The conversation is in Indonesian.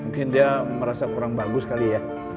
mungkin dia merasa kurang bagus kali ya